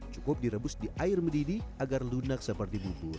cukup direbus di air mendidih agar lunak seperti bubur